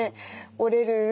折れる。